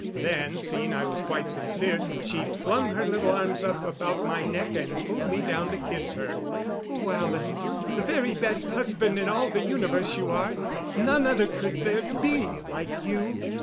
Then, seeing I was quite sincere, she flung her little arms up about my neck and pulled me down to kiss her. "Oh, Alan the very best husband in all the universe, you are. None other could there be like you."